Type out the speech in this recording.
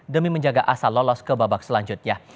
demi menjaga asal lolos ke babak selanjutnya